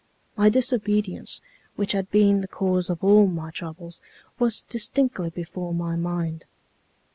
My disobedience, which had been the cause of all my troubles, was distinctly before my mind.